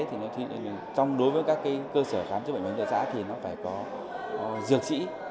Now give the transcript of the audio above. thì đối với các cơ sở khám chức bệnh bệnh tựa xã thì nó phải có dược sĩ